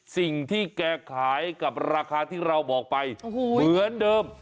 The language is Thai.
สิ่งที่แกขายกับราคาที่เราบอกไปเหมือนเดิม